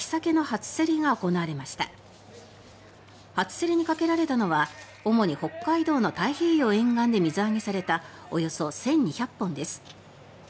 初競りにかけられたのは主に北海道の太平洋沿岸で水揚げされたおよそ１２００本です。